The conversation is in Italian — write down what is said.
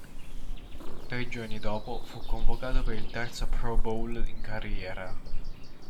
Tre giorni dopo fu convocato per il terzo Pro Bowl in carriera.